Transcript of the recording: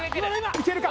いけるか？